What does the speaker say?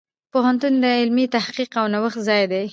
پوهنتون د علمي تحقیق او نوښت ځای دی.